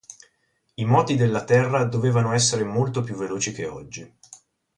I moti della terra dovevano essere molto più veloci che oggi.